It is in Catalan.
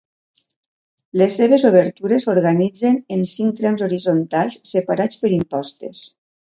Les seves obertures s'organitzen en cinc trams horitzontals separats per impostes.